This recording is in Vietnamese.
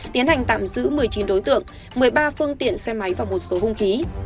tiến hành tạm giữ một mươi chín đối tượng một mươi ba phương tiện xe máy và một số hung khí